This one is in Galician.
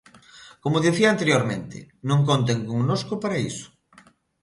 Como dicía anteriormente, non conten connosco para iso.